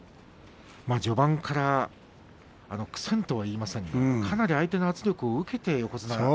序盤から苦戦とは言いませんがかなり相手の圧力をかけて横綱。